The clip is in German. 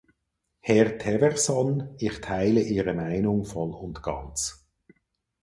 Herr Teverson, ich teile Ihre Meinung voll und ganz.